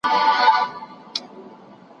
په بوډاتوب کې یې لاسنیوی وکړئ.